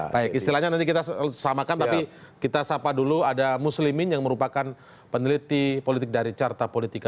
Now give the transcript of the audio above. baik istilahnya nanti kita samakan tapi kita sapa dulu ada muslimin yang merupakan peneliti politik dari carta politika